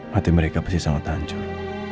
mata mereka pasti sangat hancur